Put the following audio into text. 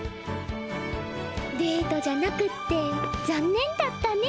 デートじゃなくって残念だったね